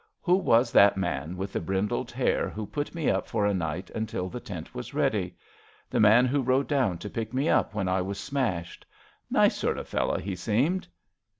^^ Who was that man with the brindled hair who put me up for a night until the tent was ready! The man who rode down to pick me up when I was smashed. Nice sort of fellow he seemed."